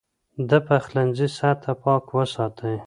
د پخلنځي سطحه پاکه وساتئ.